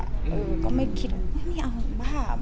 แล้วไม่คิดให้รักษ์